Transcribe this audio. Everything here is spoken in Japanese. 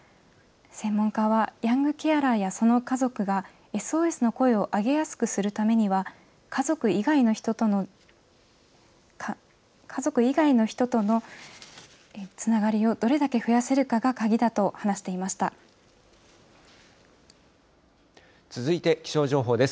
専門家は、ヤングケアラーやその家族が、ＳＯＳの声を上げやすくするためには、家族以外の人とのつながりをどれだけ増やせるかが鍵だと話してい続いて気象情報です。